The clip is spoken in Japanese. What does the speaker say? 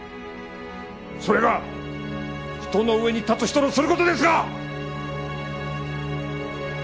それが人の上に立つ人のする事ですか！？